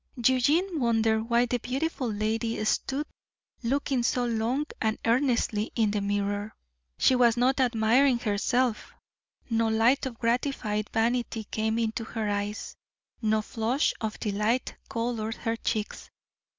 Eugenie wondered why the beautiful lady stood looking so long and earnestly in the mirror. She was not admiring herself no light of gratified vanity came into her eyes, no flush of delight colored her cheeks.